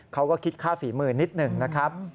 เขาก็คิดค่าฝีมือนิดหนึ่งนะครับ